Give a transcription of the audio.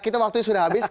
kita waktunya sudah habis